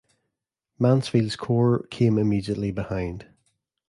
Mansfield's corps came immediately behind.